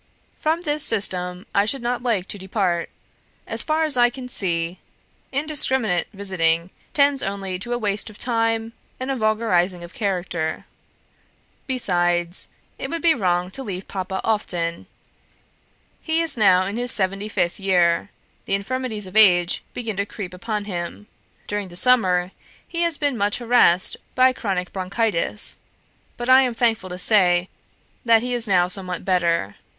From this system I should not like to depart; as far as I can see, Indiscriminate visiting tends only to a waste of time and a vulgarising of character. Besides, it would be wrong to leave Papa often; he is now in his seventy fifth year, the infirmities of age begin to creep upon him; during the summer he has been much harassed by chronic bronchitis, but I am thankful to say that he is now somewhat better.